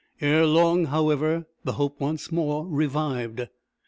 Ere long, however, the hope once more revived.